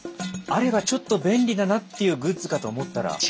あればちょっと便利だなっていうグッズかと思ったら。